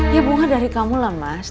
ya bunga dari kamu lah mas